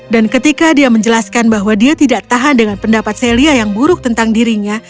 dan ketika dia menjelaskan bahwa dia tidak tahan dengan pendapat celia yang buruk tentang dirinya